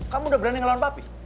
kamu udah berani ngelawan papi